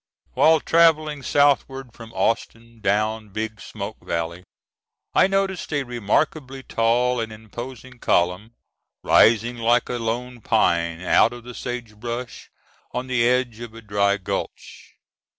While traveling southward from Austin down Big Smoky Valley, I noticed a remarkably tall and imposing column, rising like a lone pine out of the sagebrush on the edge of a dry gulch.